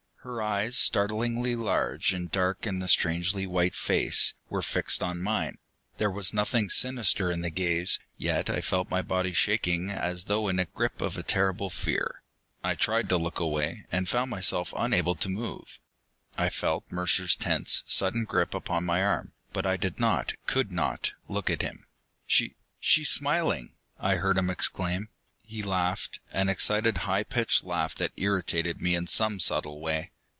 Her eyes, startlingly large and dark in the strangely white face, were fixed on mine. There was nothing sinister in the gaze, yet I felt my body shaking as though in the grip of a terrible fear. I tried to look away, and found myself unable to move. I felt Mercer's tense, sudden grip upon my arm, but I did not, could not, look at him. "She she's smiling!" I heard him exclaim. He laughed, an excited, high pitched laugh that irritated me in some subtle way.